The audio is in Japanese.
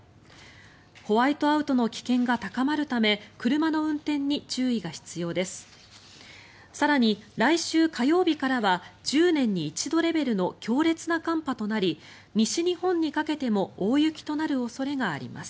ホワイトアウトの危険が高まるため車の運転に注意が必要です。